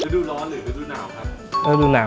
ดูร้อนหรือดูหนาวครับดูหนาวครับ